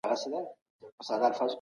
څېړنه د پوهې او رښتیا د موندلو لاره ده.